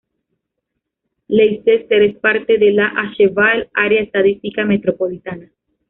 Leicester es parte de la Asheville Área Estadística Metropolitana.